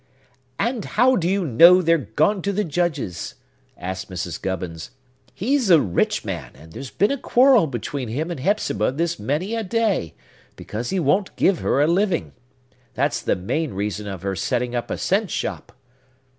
"And how do you know they're gone to the Judge's?" asked Mrs. Gubbins. "He's a rich man; and there's been a quarrel between him and Hepzibah this many a day, because he won't give her a living. That's the main reason of her setting up a cent shop."